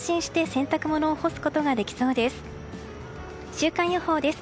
週間予報です。